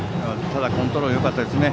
ただ、コントロールがよかったですね。